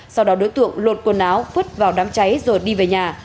sau đó đối tượng lột quần áo vứt vào đám cháy rồi đi về nhà